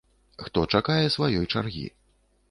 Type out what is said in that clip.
Хто чакае сваёй чаргі.